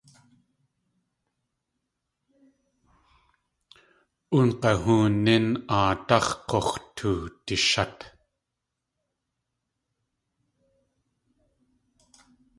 Oong̲ahoonín aadáx̲ k̲ux̲ tuwdishát.